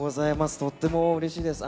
とってもうれしいです。